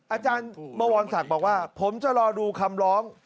อาจารย์บวรศักดิ์บอกว่าผมจะรอดูคำร้อง